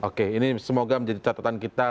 oke ini semoga menjadi catatan kita